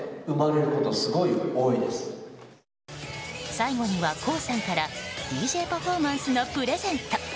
最後にはＫＯＯさんからＤＪパフォーマンスのプレゼント。